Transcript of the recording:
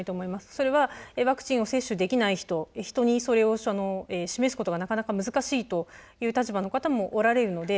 それはワクチンを接種できない人人にそれを示すことがなかなか難しいという立場の方もおられるので。